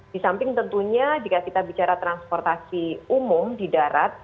di samping tentunya jika kita bicara transportasi umum di darat